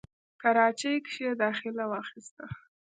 کراچۍ کښې داخله واخسته،